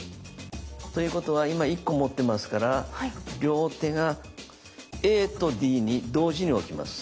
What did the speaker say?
ということは今１個持ってますから両手がＡとＤに同時に置きます。